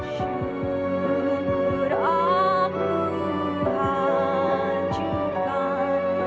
syukur aku hancurkan